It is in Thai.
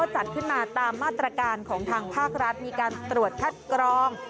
จัดขึ้นมาตามมาตรการของทางภาครัฐมีการตรวจคัดกรอง